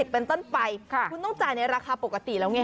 เป็นต้นไปคุณต้องจ่ายในราคาปกติแล้วไง